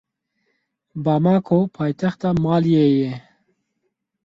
Bamako paytexta Maliyê ye.